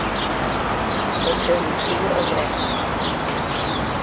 Dat sil jim soer opbrekke.